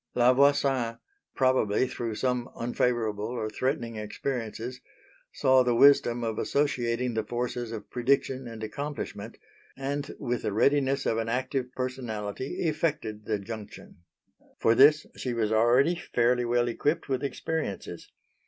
La Voisin, probably through some unfavourable or threatening experiences, saw the wisdom of associating the forces of prediction and accomplishment, and with the readiness of an active personality effected the junction. For this she was already fairly well equipped with experiences.